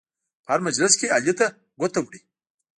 په هر مجلس کې علي ته ګوته وړي.